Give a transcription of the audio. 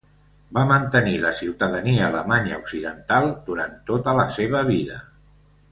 Va mantenir la ciutadania alemanya occidental durant tota la seva vida.